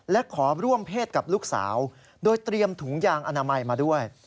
และขอร่วมเพศกับลูกสาวโดยเตรียมถุงยางอนามัยมาด้วย